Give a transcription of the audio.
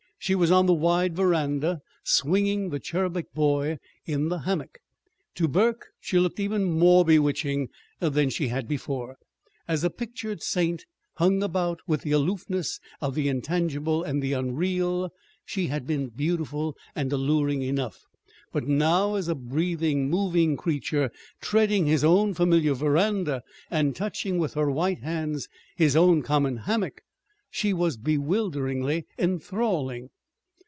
She was on the wide veranda, swinging the cherubic boy in the hammock. To Burke she looked even more bewitching than she had before. As a pictured saint, hung about with the aloofness of the intangible and the unreal, she had been beautiful and alluring enough; but now, as a breathing, moving creature treading his own familiar veranda and touching with her white hands his own common hammock, she was bewilderingly enthralling.